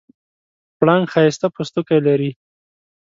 پړانګ ښایسته پوستکی لري.